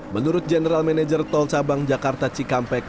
menurut general manager tol cabang jakarta cikampek